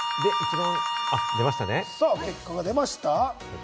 結果が出ました。